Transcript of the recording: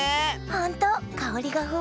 ほんとかおりがふわって。